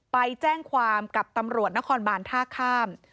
ไปแจ้งความกับตำรวจนครบานท่าข้าม